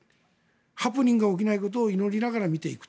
ハプニングが起きないことを祈りながら見ていく。